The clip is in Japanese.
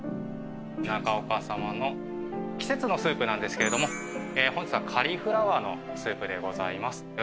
中岡さまの季節のスープなんですけれども本日はカリフラワーのスープでございます。